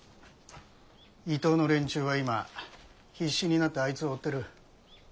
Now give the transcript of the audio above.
伊東の連中は今必死になってあいつを追ってる。